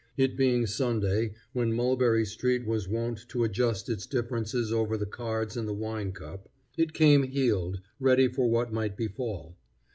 It being Sunday, when Mulberry street was wont to adjust its differences over the cards and the wine cup, it came "heeled," ready for what might befall.